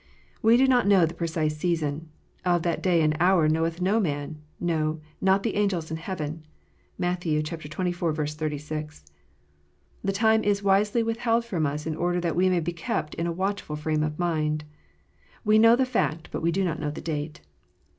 We do not know the precise season. " Of that day and hour knoweth no man : no, not the angels in heaven." (Matt. xxiv. 36.) The time is wisely withheld from us in order that we may be kept in a watchful frame of mind. We know the fact, but we do not know the date.